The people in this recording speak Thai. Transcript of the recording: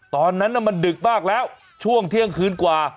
ตอนนั้นมันดึกมากแล้วช่วงเที่ยงคืนกว่า